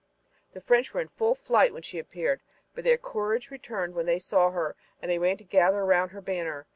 The French were in full flight when she appeared, but their courage returned when they saw her and they ran to gather around her banner.